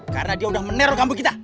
karena dia udah menerlok kabur kita